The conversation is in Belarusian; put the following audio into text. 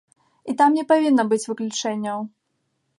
І там не павінна быць выключэнняў.